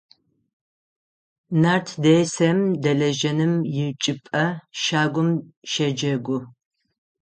Нарт десэм дэлэжьэным ычӀыпӀэ щагум щэджэгу.